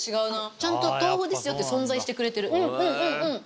ちゃんと豆腐ですよって存在してくれてる。